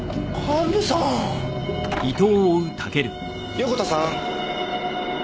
横田さん。